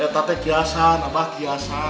eh tapi kiasan abah kiasan